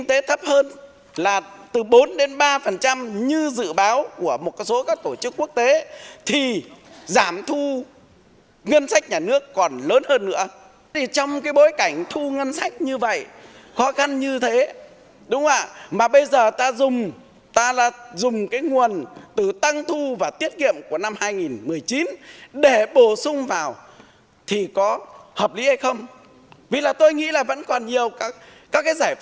để bổ sung vào thì có hợp lý hay không vì là tôi nghĩ là vẫn còn nhiều các cái giải pháp khác